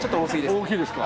大きいですか。